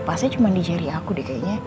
pasnya cuma di jerry aku deh kayaknya